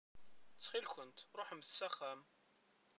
Ttxil-kent ruḥemt s axxam.